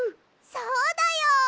そうだよ！